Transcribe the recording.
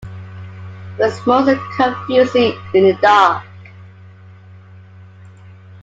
It was most confusing in the dark.